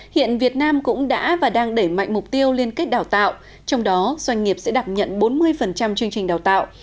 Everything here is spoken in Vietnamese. hiện việt nam cũng đã và đang đẩy mạnh mục tiêu liên kết đào tạo trong đó doanh nghiệp sẽ đạp nhận bốn mươi chương trình đào tạo